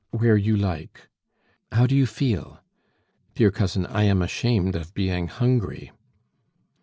"Where you like." "How do you feel?" "Dear cousin, I am ashamed of being hungry."